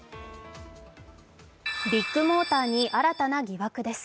ビッグモーターに新たな疑惑です。